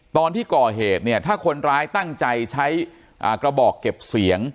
ตอนที่ก่อเหตุเนี่ยถ้าคนร้ายตั้งใจใช้กระบอกเก็บเสียง